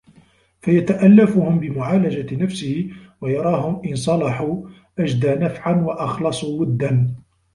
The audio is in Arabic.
فَيَتَأَلَّفُهُمْ بِمُعَالَجَةِ نَفْسِهِ وَيَرَاهُمْ إنْ صَلَحُوا أَجْدَى نَفْعًا وَأَخْلَصُ وُدًّا